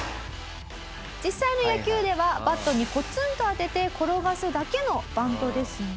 実際の野球ではバットにコツンと当てて転がすだけのバントですが。